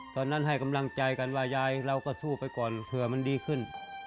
ให้กำลังใจกันว่ายายเราก็สู้ไปก่อนเผื่อมันดีขึ้น